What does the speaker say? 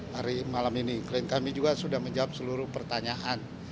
hari malam ini klien kami juga sudah menjawab seluruh pertanyaan